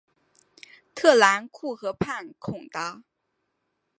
特兰库河畔孔达。